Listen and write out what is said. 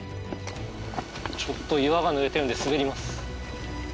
ちょっと岩がぬれてるんで滑ります。